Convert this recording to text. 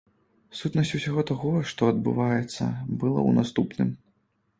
Сутнасць усяго таго, што адбываецца была ў наступным.